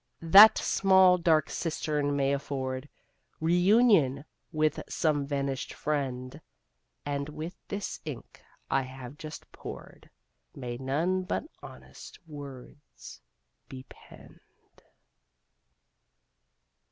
That small dark cistern may afford Reunion with some vanished friend, And with this ink I have just poured May none but honest words be penned!